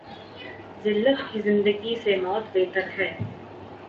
زلت کی زندگی سے موت بہتر ہے۔